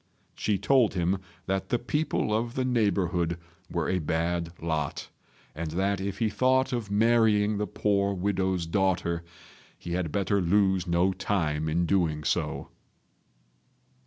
She told him that the people of the neighbourhood were a bad lot, and that if he thought of marrying the poor widow's daughter, he had better lose no time in doing so.